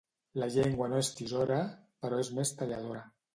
La llengua no és tisora, però és més talladora.